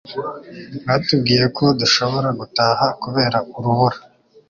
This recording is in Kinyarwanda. Batubwiye ko dushobora gutaha kubera urubura